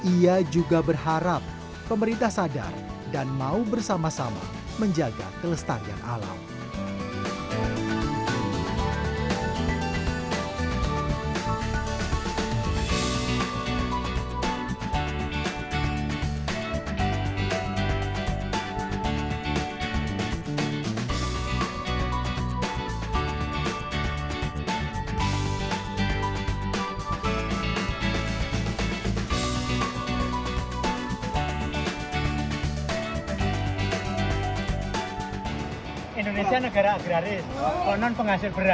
ia juga berharap pemerintah sadar dan mau bersama sama menjaga kelestarian alam